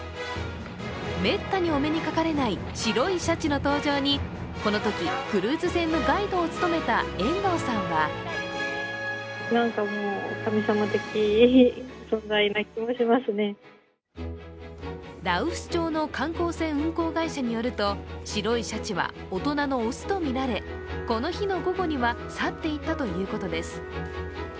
めったにお目にかかれない白いシャチの登場にこのとき、クルーズ船のガイドを務めた遠藤さんは羅臼町の観光船運航会社によると白いシャチは大人の雄とみられこの日の午後には去っていったということです。